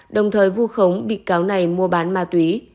đồng thời vu khống bị cáo này mua bán ma túy